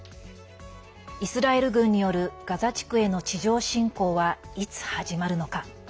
イスラエル軍によるガザ地区への地上侵攻はいつ始まるのか。